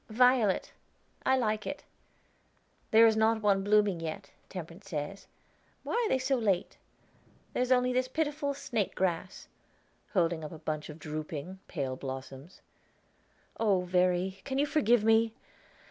"Violet! I like it. There is not one blooming yet, Temperance says. Why are they so late? There's only this pitiful snake grass," holding up a bunch of drooping, pale blossoms. "Oh, Verry, can you forgive me?